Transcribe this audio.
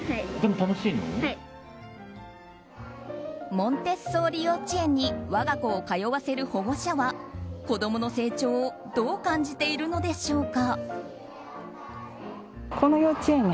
モンテッソーリ幼稚園に我が子を通わせる保護者は子供の成長をどう感じているのでしょうか。